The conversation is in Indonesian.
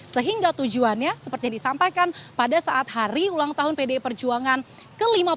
sehingga tujuannya seperti yang disampaikan pada saat hari ulang tahun pdi perjuangan ke lima puluh